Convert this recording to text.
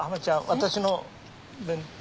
私の弁当。